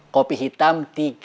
kopi hitam tiga